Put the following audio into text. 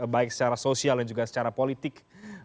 baik secara sosial dan juga secara politik